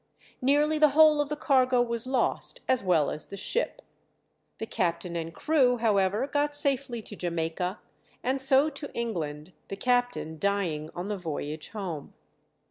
Nearly the whole of the cargo was lost as well as the ship. The captain and crew, however, got safely to Jamaica, and so to England; the captain dying on the voyage home.